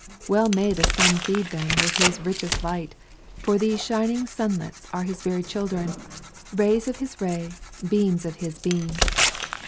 Well may the sun feed them with his richest light, for these shining sunlets are his very children — rays of his ray, beams of his beam!